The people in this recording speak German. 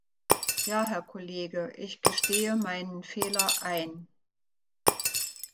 Ja, Herr Kollege, ich gestehe meinen Fehler ein.